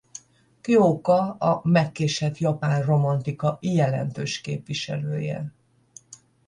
Kjóka a megkésett japán romantika jelentős képviselője.